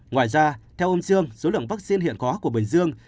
ngoài ra theo ông dương số lượng vaccine hiện có của bình dương